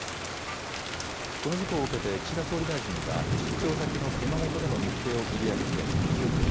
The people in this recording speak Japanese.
この事故を受けて岸田総理大臣は、出張先の熊本での日程を切り上げて、急きょ